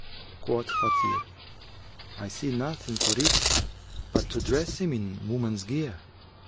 Quoth Fatir, 'I see nothing for it but to dress him in woman's gear.'